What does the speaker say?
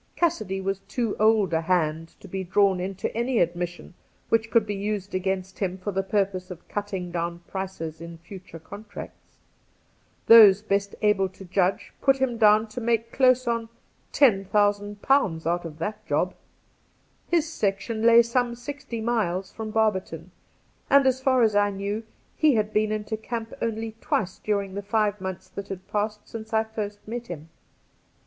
Cassidy was, too old a hand to be drawn into any admission which could be used against him for the purpose of cutting down prices in future contracts. Those best able to judge put him down to make close on £10,000 out of that job. His section lay some sixty miles from Barberton, and, as far as I knew, he had been into camp only twice during the five months that had passed since I had first met him.